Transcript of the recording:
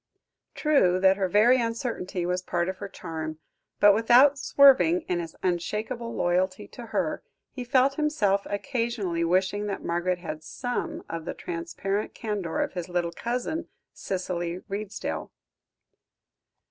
True, that her very uncertainty was part of her charm; but, without swerving in his unshakable loyalty to her, he felt himself occasionally wishing that Margaret had some of the transparent candour of his little cousin, Cicely Redesdale.